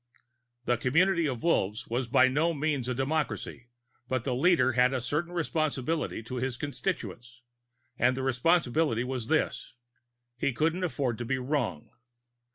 The community of Wolves was by no means a democracy, but the leader had a certain responsibility to his constituents, and the responsibility was this: He couldn't afford to be wrong.